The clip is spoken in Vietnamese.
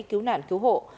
cứu nạn cứu hộ